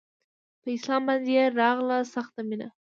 په اسلام باندې يې راغله سخته مينه